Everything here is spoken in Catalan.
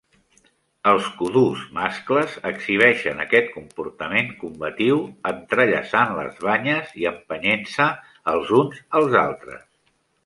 Els cudús mascles exhibeixen aquest comportament combatiu entrellaçant les banyes i empenyent-se els uns als altres.